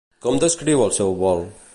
Com descriu el seu vol?